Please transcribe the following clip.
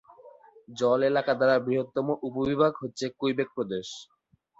জল এলাকা দ্বারা বৃহত্তম উপবিভাগ হচ্ছে কুইবেক প্রদেশ।